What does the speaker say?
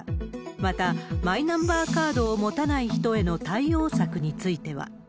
また、マイナンバーカードを持たない人への対応策については。